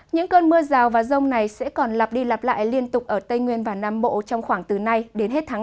những cơn mưa rào và rông này sẽ còn lặp đi lặp lại liên tục ở tây nguyên và nam bộ trong khoảng từ nay đến hết tháng năm